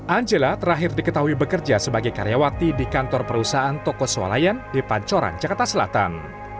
angela terakhir diketahui bekerja sebagai karyawati di kantor perusahaan toko swalayan di pancoran jakarta selatan